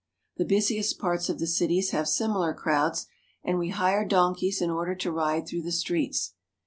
The busiest parts of the cities have similar crowds, and we hire donkeys in order to ride through the streets.